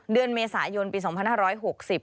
เดือนเมษายนปี๒๕๖๐